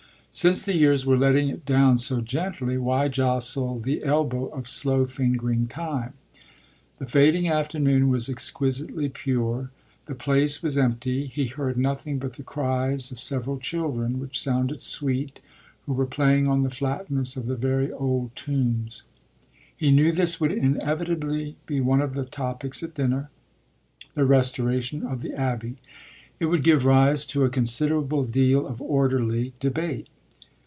Since the years were letting it down so gently why jostle the elbow of slow fingering time? The fading afternoon was exquisitely pure; the place was empty; he heard nothing but the cries of several children, which sounded sweet, who were playing on the flatness of the very old tombs. He knew this would inevitably be one of the topics at dinner, the restoration of the abbey; it would give rise to a considerable deal of orderly debate.